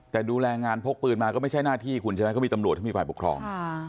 แต่ดูแลงานพกปืนมาก็ไม่ใช่หน้าที่คุณใช่ไหมเขามีตำรวจเขามีฝ่ายปกครอง